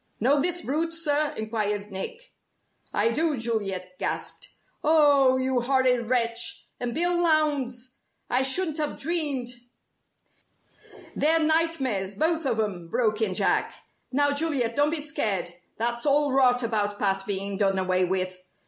"Know this brute, sir?" enquired Nick. "I do!" Juliet gasped. "Oh! you horrid wretch! And Bill Lowndes! I shouldn't have dreamed " "They're nightmares, both of 'em," broke in Jack. "Now, Juliet, don't be scared. That's all rot about Pat being done away with.